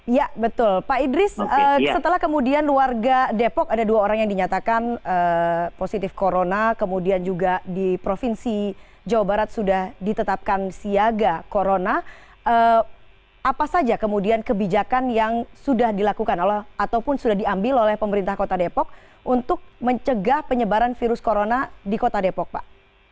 ya betul pak idris setelah kemudian warga depok ada dua orang yang dinyatakan positif corona kemudian juga di provinsi jawa barat sudah ditetapkan siaga corona apa saja kemudian kebijakan yang sudah dilakukan ataupun sudah diambil oleh pemerintah kota depok untuk mencegah penyebaran virus corona di kota depok pak